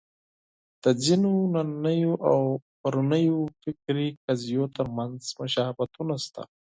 د ځینو نننیو او پرونیو فکري قضیو تر منځ مشابهتونه شته.